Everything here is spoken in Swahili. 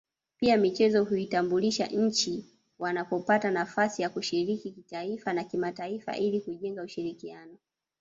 Pia michezo huitambulisha nchi wanapopata nafasi ya kushiriki kitaifa na kimataifa ili kujenga ushirikiano